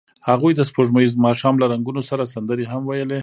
هغوی د سپوږمیز ماښام له رنګونو سره سندرې هم ویلې.